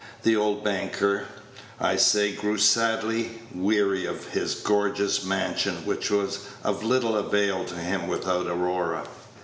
The old banker, I say, grew sadly weary of his gorgeous mansion, which was of little avail to him without Aurora.